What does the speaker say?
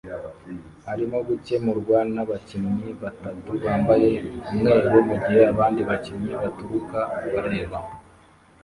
arimo gukemurwa nabakinnyi batatu bambaye umweru mugihe abandi bakinnyi batukura bareba